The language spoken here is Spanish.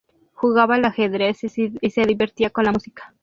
Jugaba al ajedrez y se divertía con la música.